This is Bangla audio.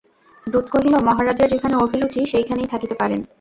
দূত কহিল, মহারাজের যেখানে অভিরুচি সেইখানেই থাকিতে পারেন।